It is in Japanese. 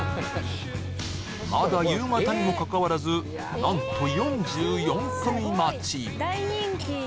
まだ夕方にもかかわらず何と４４組待ち